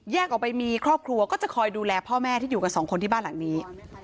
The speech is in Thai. ออกไปมีครอบครัวก็จะคอยดูแลพ่อแม่ที่อยู่กับสองคนที่บ้านหลังนี้